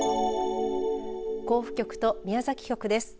甲府局と宮崎局です。